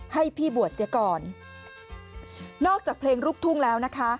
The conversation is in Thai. ให้พี่บวชเสียก่อนนอกจากเพลงลูกทุ่งแล้วนะคะ